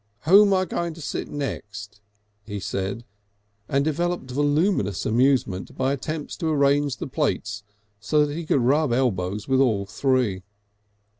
"Who'm I going to sit next?" he said, and developed voluminous amusement by attempts to arrange the plates so that he could rub elbows with all three.